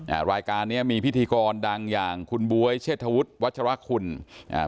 อ่ารายการเนี้ยมีพิธีกรดังอย่างคุณบ๊วยเชษฐวุฒิวัชรคุณอ่า